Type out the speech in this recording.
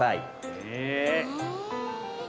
へえ。